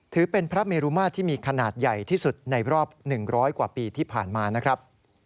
ถือเป็นพระเมรุมาตรที่มีขนาดใหญ่ที่สุดในรอบ๑๐๐กว่าปีที่ผ่านมานะครับ